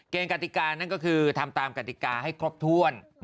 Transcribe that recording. เกณฑ์กรรติกานั้นก็คือทำตามกรรติกาให้ครบถ้วน